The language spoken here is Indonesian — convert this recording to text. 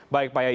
baik pak yayi